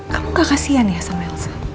kamu gak kasian ya sama elsa